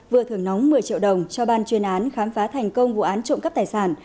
vừa thưởng nóng một mươi triệu đồng cho ban chuyên án khám phá thành công vụ án trộm cắp tài sản